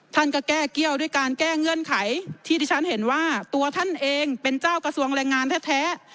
ท่านก็แก้เกี้ยวด้วยการแก้เงื่อนไขที่ที่ฉันเห็นว่าตัวท่านเองเป็นเจ้ากระทรวงแรงงานแท้